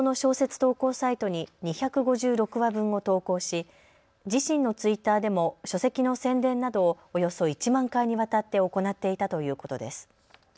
投稿サイトに２５６話分を投稿し自身のツイッターでも書籍の宣伝などをおよそ１万回にわたって行っていたということです。